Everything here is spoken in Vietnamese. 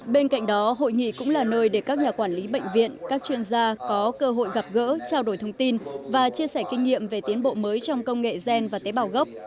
bên cạnh đó hội nghị cũng là nơi để các nhà quản lý bệnh viện các chuyên gia có cơ hội gặp gỡ trao đổi thông tin và chia sẻ kinh nghiệm về tiến bộ mới trong công nghệ gen và tế bào gốc